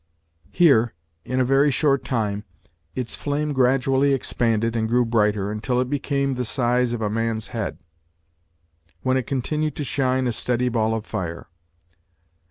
Here, in a very short time, its flame gradually expanded, and grew brighter, until it became of the size of a man's head, when it continued to shine a steady ball of fire.